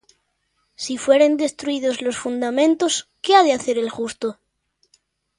Si fueren destruídos los fundamentos, ¿Qué ha de hacer el justo?